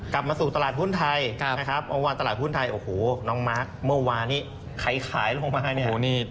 กลับมาสู่ตลาดหุ้นไทยตลาดหุ้นไทยโอ้โหน้องมักเมื่อวานใครขายลงมาเนี่ย